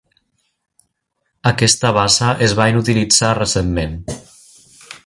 Aquesta bassa es va inutilitzar recentment.